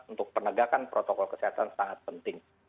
untuk penegakan protokol kesehatan sangat penting